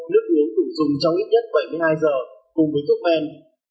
nước uống đủ dùng trong ít nhất bảy mươi hai giờ cùng với thuốc men